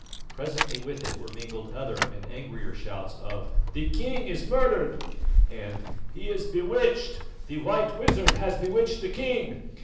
Presently with it were mingled other and angrier shouts of "The king is murdered!" and "He is bewitched, the white wizard has bewitched the king!